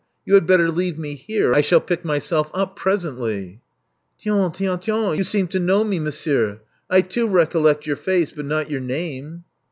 You had better leave me here: I shall pick myself up presently." 7V>«j, tiens^ Hens! You seem to know me, monsieur. I, too, recollect your face, but not your name."